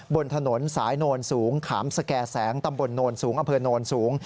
บนถนนสายโนนสูงขามสแก่แสงตำบลโนนสูงอำเภอโนนสูง